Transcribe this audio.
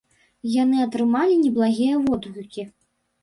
Яны атрымалі неблагія водгукі.